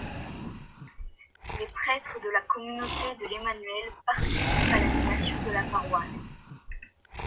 Les prêtres de la communauté de l'Emmanuel participent à l’animation de la paroisse.